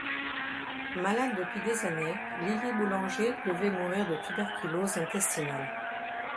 Malade depuis des années, Lili Boulanger devait mourir de tuberculose intestinale.